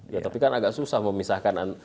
ya tapi kan agak susah memisahkan